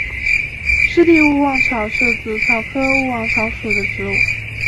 湿地勿忘草是紫草科勿忘草属的植物。